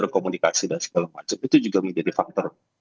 komunikasi dan segala macam itu juga menjadi faktor